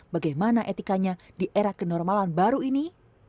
bagaimana etikanya di era kenormalan baru ini